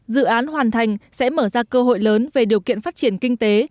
dự án hoàn thành sẽ mở ra cơ hội lớn về điều kiện phát triển kinh tế